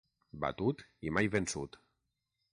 Batut i mai vençut.